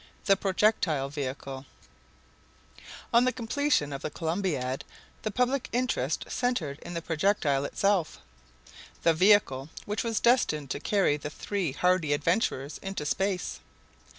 THE PROJECTILE VEHICLE On the completion of the Columbiad the public interest centered in the projectile itself, the vehicle which was destined to carry the three hardy adventurers into space.